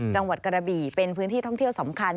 จังหวัดกระบี่เป็นพื้นที่ท่องเที่ยวสำคัญ